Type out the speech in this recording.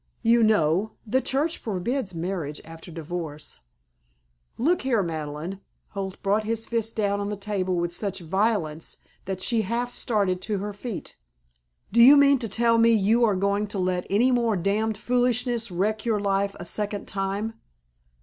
"You know the Church forbids marriage after divorce." "Look here, Madeleine!" Holt brought his fist down on the table with such violence that she half started to her feet. "Do you mean to tell me you are going to let any more damn foolishness wreck your life a second time?"